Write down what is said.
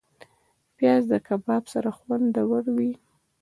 پیاز د کباب سره خوندور وي